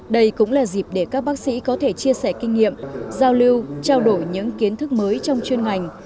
đây cũng là dịp để các bác sĩ có thể chia sẻ kinh nghiệm giao lưu trao đổi những kiến thức mới trong chuyên ngành